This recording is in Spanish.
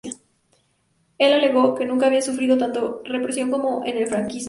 Él alegó que nunca había sufrido tanta represión como en el franquismo.